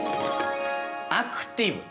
アクティブ。